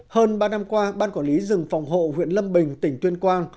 hơn ba năm qua ban quản lý rừng phòng hộ huyện lâm bình tỉnh tuyên quang